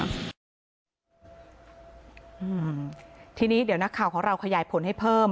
อืมทีนี้เดี๋ยวนักข่าวของเราขยายผลให้เพิ่ม